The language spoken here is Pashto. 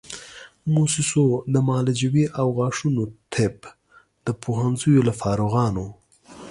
موسسو د معالجوي او غاښونو طب د پوهنځیو له فارغانو